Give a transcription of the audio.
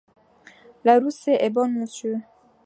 La rousée est bonne, monsieur.